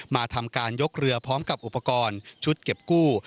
มาทำการยกเรือพร้อมกับอุปกรณ์ชุดเก็บกู้